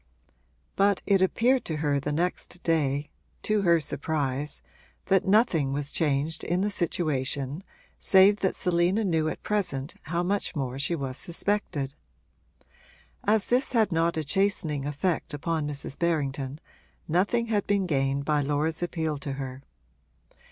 But it appeared to her the next day, to her surprise, that nothing was changed in the situation save that Selina knew at present how much more she was suspected. As this had not a chastening effect upon Mrs. Berrington nothing had been gained by Laura's appeal to her.